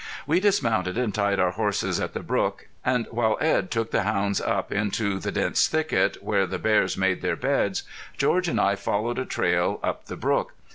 We dismounted and tied our horses at the brook, and while Edd took the hounds up into the dense thicket where the bears made their beds, George and I followed a trail up the brook.